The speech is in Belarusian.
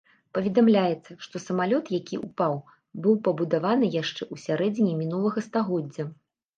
Паведамляецца, што самалёт, які ўпаў, быў пабудаваны яшчэ ў сярэдзіне мінулага стагоддзя!